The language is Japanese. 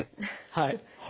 はい。